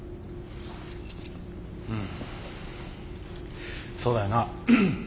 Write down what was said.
うんそうだよな。